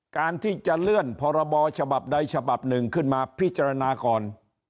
การที่จะเลื่อนพรบฉบับใดฉบับหนึ่งขึ้นมาพิจารณาก่อน